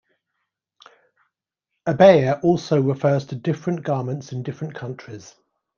Abaya also refers to different garments in different countries.